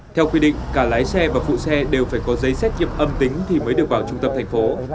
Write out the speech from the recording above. theo quy định cả lái xe và phụ xe đều phải có giấy xét nghiệm âm tính thì mới được vào trung tâm thành phố